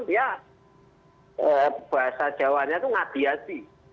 ya bahasa jawanya itu ngadi adi